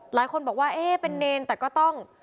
หลายคนบอกว่าเอ๊ะเป็นเนรแต่ก็ต้อง